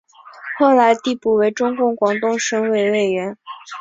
后来递补为中共广东省委委员。